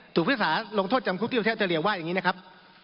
ถูกพิษาลงโทษจำคุกที่ประเทศอเตอร์เรียวว่าอย่างนี้นะครับ